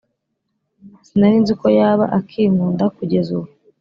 Sinarinziko yaba akinkunda kugeza ubu